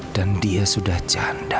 dan dia sudah janda